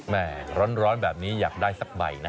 ร้อนแบบนี้อยากได้สักใบนะ